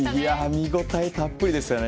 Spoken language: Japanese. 見応えたっぷりですよね。